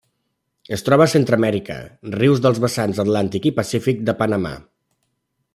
Es troba a Centreamèrica: rius dels vessants atlàntic i pacífic de Panamà.